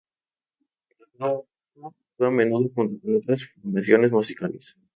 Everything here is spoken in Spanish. El grupo actúa a menudo junto con otras formaciones musicales.